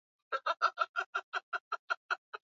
kutokana na kupingana kwa historia hizo